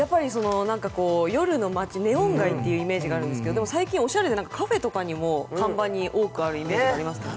夜の街、ネオン街というイメージがありますが最近、おしゃれでカフェとかの看板にも多くあるイメージがあります。